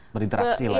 berinteraksi lah ya